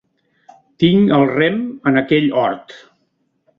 Tinc el rem en aquell hort.